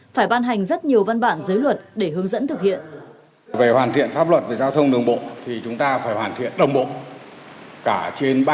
phải ban hành rất nhiều văn bản giới luật để hướng dẫn thực hiện